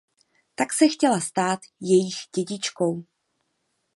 Tak se chtěla stát jejich dědičkou.